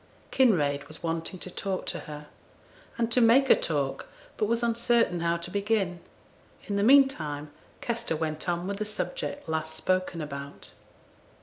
Kinraid was wanting to talk to her, and to make her talk, but was uncertain how to begin. In the meantime Kester went on with the subject last spoken about.